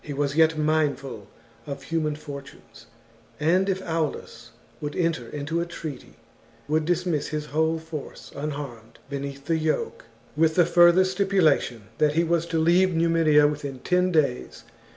was yet mindful of human fortunes, and, if Aulus would enter into a treaty, would dismiss his whole force unharmed beneath the yoke ; with the further stipulation that he was to leave Numidia within ten days.